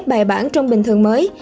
bài bản trong bình thường mới